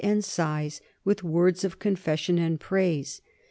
id sighs, with words of confession and praise.